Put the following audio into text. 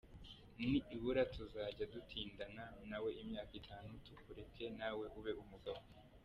Nibura tuzajya dutindana nawe imyaka itanu, tukureke nawe ube umugabo.